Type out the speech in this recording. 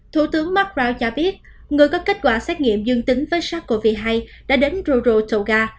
thủ tướng mark brown cho biết người có kết quả xét nghiệm dương tính với sars cov hai đã đến rurotoga